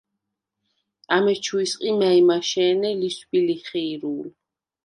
ამეჩუ ისყი მა̄̈ჲმაშე̄ნე ლისვბი-ლიხი̄რულ.